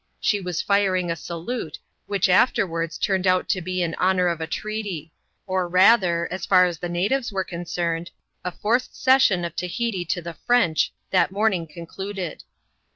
She was firing a salute, which afterwards turned out to be in honour of a treaty ; or rather — as far as the natives were concerned — a forced cession of Tahiti to the French, that mom* ing concluded.